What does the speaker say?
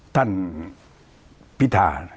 ท่านพิธา